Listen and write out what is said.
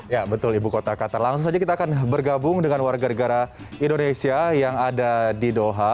ya betul ibu kota qatar langsung saja kita akan bergabung dengan warga negara indonesia yang ada di doha